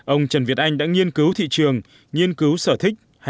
ông trần việt anh đã nghiên cứu thị trường nghiên cứu sở thích